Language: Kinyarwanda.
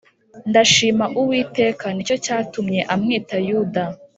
ndashima Uwiteka Ni cyo cyatumye amwita Yuda